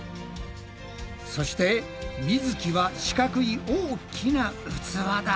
そしてみづきは四角い大きな器だ。